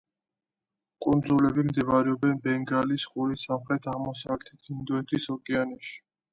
კუნძულები მდებარეობენ ბენგალის ყურის სამხრეთ-აღმოსავლეთით, ინდოეთის ოკეანეში.